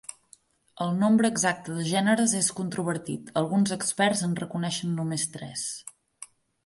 El nombre exacte de gèneres és controvertit, alguns experts en reconeixen només tres.